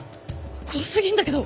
怖すぎんだけど。